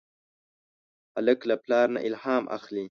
هلک له پلار نه الهام اخلي.